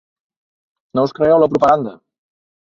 No us cregueu la propaganda!